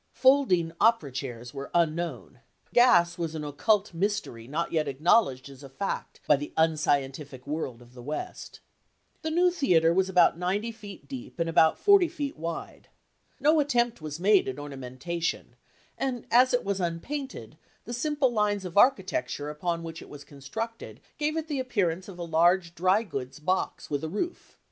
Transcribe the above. Folding opera chairs were unknown. Gas was an occult mystery not yet acknowledged as a fact by the unscientific world of the West. The new theater was about ninety feet deep and about forty feet wide. No attempt was made at ornamentation ; and as it was unpainted, the simple lines of architecture upon which it was constructed gave it the appearance of a large dry goods box with a roof.